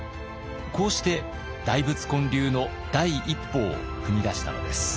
こうして大仏建立の第一歩を踏み出したのです。